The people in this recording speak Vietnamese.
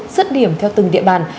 sất điểm theo từng địa bàn